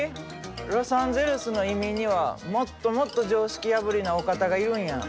ロサンゼルスの移民にはもっともっと常識破りなお方がいるんや。